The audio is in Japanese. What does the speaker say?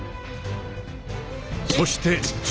そして杖。